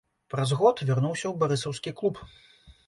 Праз год вярнуўся ў барысаўскі клуб.